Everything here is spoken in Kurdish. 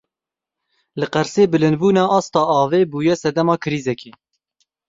Li Qersê bilindbûna asta avê bûye sedema krîzekê.